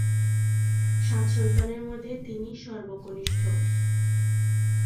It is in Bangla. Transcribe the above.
সাত সন্তানের মধ্যে থেকে তিনি সর্বকনিষ্ঠ।